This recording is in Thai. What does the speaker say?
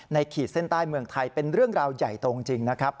ขีดเส้นใต้เมืองไทยเป็นเรื่องราวใหญ่โตจริงนะครับ